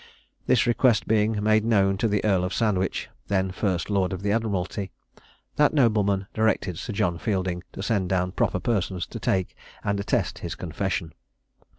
This request being made known to the Earl of Sandwich, then first lord of the admiralty, that nobleman directed Sir John Fielding to send down proper persons to take and attest his confession.